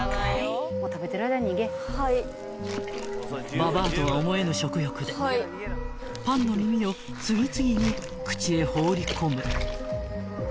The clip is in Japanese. ［ババアとは思えぬ食欲でパンの耳を次々に口へ放り込む］